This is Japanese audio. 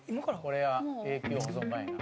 「これは永久保存版やな」